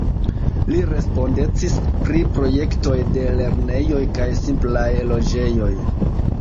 Li respondecis pri projektoj de lernejoj kaj simplaj loĝejoj.